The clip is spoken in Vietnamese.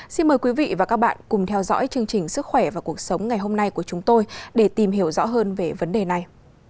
xin mời quý vị và các bạn cùng theo dõi chương trình sức khỏe và cuộc sống ngày hôm nay của chúng tôi để tìm hiểu rõ hơn về vấn đề này